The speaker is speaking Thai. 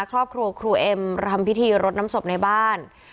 ครูเอ็มรำพิธีรดน้ำศพในบ้าน